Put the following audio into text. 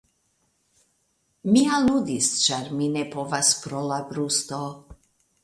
Mi aludis ĉar mi ne povas pro la brusto.